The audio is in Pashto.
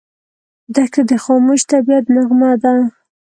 دښته د خاموش طبعیت نغمه ده.